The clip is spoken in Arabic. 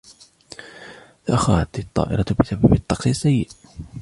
تأخرت الطائرة بسبب الطقس السيء.